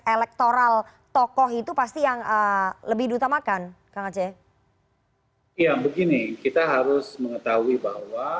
elektoral tokoh itu pasti yang lebih diutamakan kang aceh ya begini kita harus mengetahui bahwa